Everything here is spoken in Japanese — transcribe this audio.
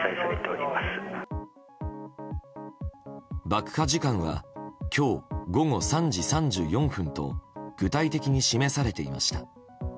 爆破時間は今日午後３時３４分と具体的に示されていました。